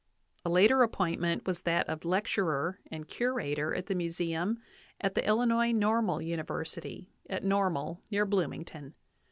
A later appointment was that of lecturer and curator of the museum at the Illinois Normal University at Normal, near Bloomington.